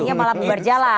artinya malah berjalan